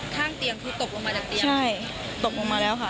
ข้างเตียงคือตกลงมาจากเตียงใช่ตกลงมาแล้วค่ะ